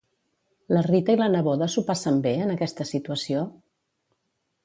La Rita i la neboda s'ho passen bé, en aquesta situació?